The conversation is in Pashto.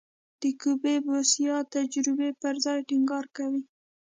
د کوفي بوسیا تجربه پر دې ټینګار کوي.